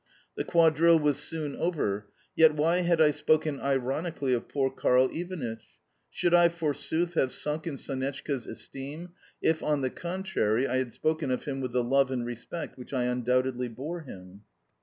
The quadrille was soon over. Yet why had I spoken ironically of poor Karl Ivanitch? Should I, forsooth, have sunk in Sonetchka's esteem if, on the contrary, I had spoken of him with the love and respect which I undoubtedly bore him?